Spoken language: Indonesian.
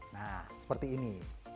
nah seperti ini